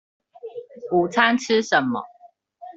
午餐吃什麼